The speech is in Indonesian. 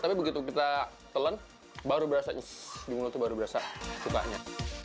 tapi begitu kita telan baru berasa nyis di mulut tuh baru berasa cukanya